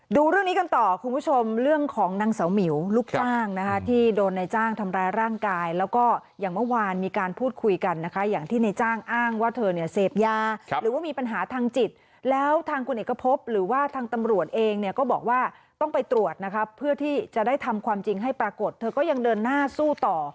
ดูเรื่องนี้กันต่อคุณผู้ชมเรื่องของนางเสาหมิวลูกจ้างนะคะที่โดนในจ้างทำร้ายร่างกายแล้วก็อย่างเมื่อวานมีการพูดคุยกันนะคะอย่างที่ในจ้างอ้างว่าเธอเนี่ยเสพยาหรือว่ามีปัญหาทางจิตแล้วทางคุณเอกพบหรือว่าทางตำรวจเองเนี่ยก็บอกว่าต้องไปตรวจนะคะเพื่อที่จะได้ทำความจริงให้ปรากฏเธอก็ยังเดินหน้าสู้ต่อ